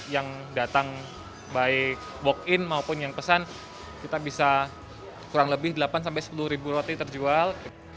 yang datang baik walk in maupun yang pesan kita bisa kurang lebih delapan sepuluh ribu roti terjual